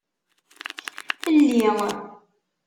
Lli.